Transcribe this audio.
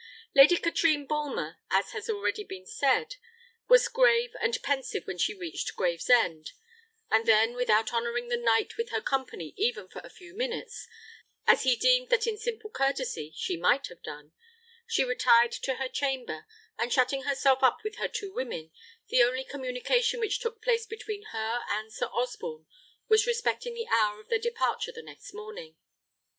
Lady Katrine Bulmer, as has been already said, was grave and pensive when she reached Gravesend; and then, without honouring the knight with her company even for a few minutes, as he deemed that in simple courtesy she might have done, she retired to her chamber, and, shutting herself up with her two women, the only communication which took place between her and Sir Osborne was respecting the hour of their departure the next morning.